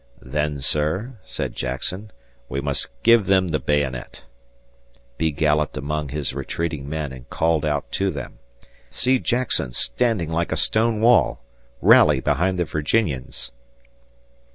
"Then, Sir," said Jackson, "we must give them the bayonet." Bee galloped among his retreating men and called out to them: "See Jackson standing like a stone wall rally behind the Virginians."